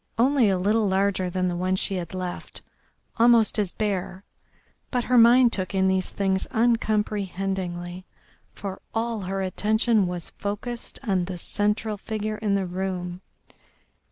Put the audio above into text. Only a little larger than the one she had left, almost as bare, but her mind took in these things uncomprehendingly, for all her attention was focussed on the central figure in the room.